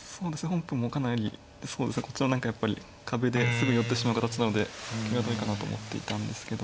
本譜もかなりこっちの何かやっぱり壁ですぐ寄ってしまう形なので際どいかなと思っていたんですけど。